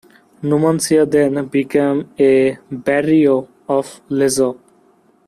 Numancia then, became a "barrio" of Lezo.